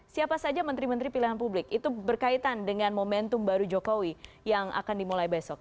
siapa saja menteri menteri pilihan publik itu berkaitan dengan momentum baru jokowi yang akan dimulai besok